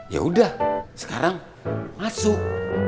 yaudah sekarang masuk